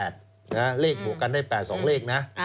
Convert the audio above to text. โดโหรเหล็กบวกกันได้๘สองเลขนะ